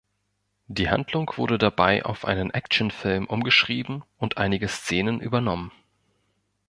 Die Handlung wurde dabei auf einen Actionfilm umgeschrieben und einige Szenen übernommen.